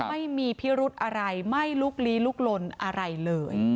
ไม่มีพิรุธอะไรไม่ลุกลี้ลุกลนอะไรเลย